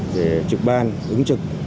để trực ban ứng trực